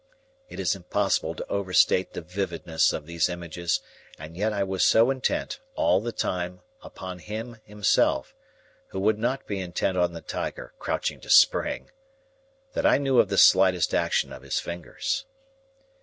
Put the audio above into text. It is impossible to overstate the vividness of these images, and yet I was so intent, all the time, upon him himself,—who would not be intent on the tiger crouching to spring!—that I knew of the slightest action of his fingers.